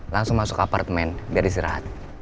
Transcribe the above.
langsung masuk apartemen biar istirahat